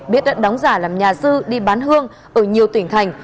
biết đã đóng giả làm nhà sư đi bán hương ở nhiều tỉnh thành